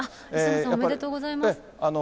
おめでとうございます。